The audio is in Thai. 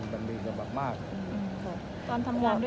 ตอนทำงานด้วยกันเป็นยังไงครับ